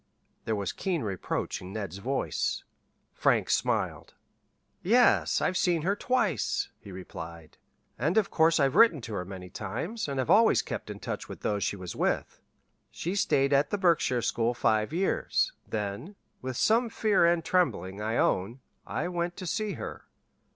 There was keen reproach in Ned's voice. Frank smiled. "Yes, I've seen her twice," he replied. "And of course I've written to her many times, and have always kept in touch with those she was with. She stayed at the Berkshire school five years; then with some fear and trembling, I own I went to see her.